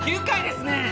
９回ですね